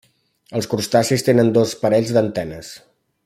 Els crustacis tenen dos parells d'antenes.